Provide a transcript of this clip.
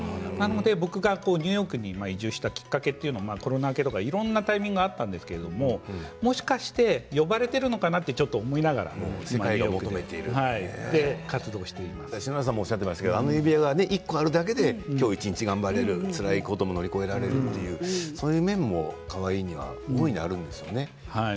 僕がニューヨークに移住したきっかけというのがコロナ明けとかいろいろなタイミングがあったんですけれども、もしかしたら呼ばれているのかなというのが篠原さんもおっしゃってましたけれども、あの指輪が１個あるだけで今日一日頑張れるつらいことも頑張れるそういう面もカワイイにはあるんですね。